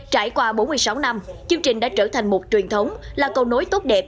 trải qua bốn mươi sáu năm chương trình đã trở thành một truyền thống là cầu nối tốt đẹp